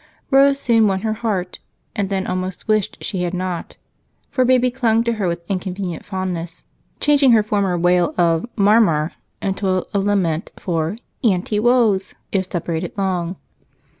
Rose soon won her heart, and then almost wished she had not, for baby clung to her with inconvenient fondness, changing her former wail of "Marmar" into a lament for "Aunty Wose" if separated long.